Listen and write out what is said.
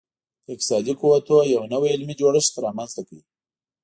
د اقتصادي قوتونو یو نوی علمي جوړښت رامنځته کړي